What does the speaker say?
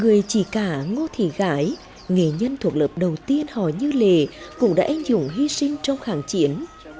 về chỉ cả ngô thị gái nghề nhân thuộc lớp đầu tiên họ như lệ cũng đã anh dũng hy sinh trong kháng chiến